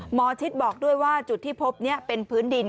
หมอชิดบอกด้วยว่าจุดที่พบนี้เป็นพื้นดิน